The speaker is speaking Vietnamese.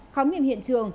khóng nghiệp hiện trường